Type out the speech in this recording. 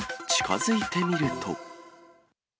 近づいてみると。